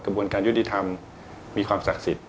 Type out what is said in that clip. กระบวนการยุติธรรมมีความศักดิ์สิทธิ